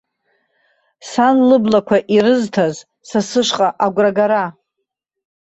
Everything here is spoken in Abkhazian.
Сан лыблақәа ирызҭаз са сышҟа агәрагара!